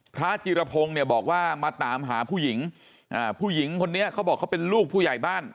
พระจิรพงศ์เนี่ยบอกว่ามาตามหาผู้หญิงผู้หญิงคนนี้เขาบอกเขาเป็นลูกผู้ใหญ่บ้าน